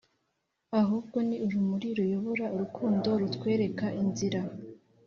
ahubwo ni urumuri ruyobora urukundo rutwereka inzira.